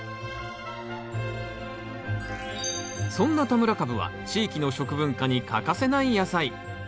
そんな田村かぶは地域の食文化に欠かせない野菜。